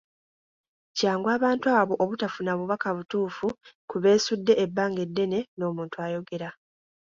Kyangu abantu abo obutafuna bubaka butuufu ku beesudde ebbanga eddene n’omuntu ayogera.